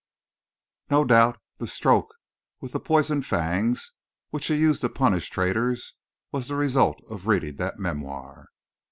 No doubt the stroke with the poisoned fangs, which he used to punish traitors, was the result of reading that memoir."